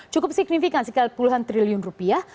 cukup signifikan sekali puluhan triliun rupiah